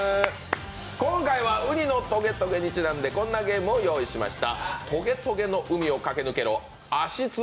今回はうにのトゲトゲにちなんでこんなゲームをご用意しました。